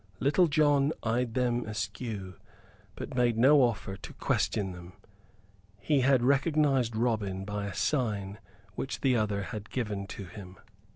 Little John eyed them askew, but made no offer to question them. He had recognized Robin by a sign which the other had given to him.